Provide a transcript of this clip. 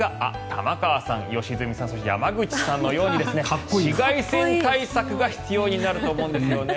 玉川さん、良純さんそして山口さんのように紫外線対策が必要になると思うんですよね。